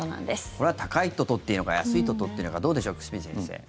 これは高いと取っていいのか安いと取っていいのかどうでしょう、久住先生。